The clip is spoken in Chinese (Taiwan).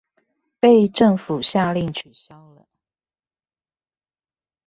被政府下令取消了